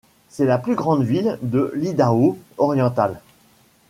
C'est la plus grande ville de l'Idaho oriental.